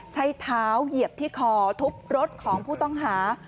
ใช้เท้าเหยียบที่คอทุบรถของผู้ต้องหา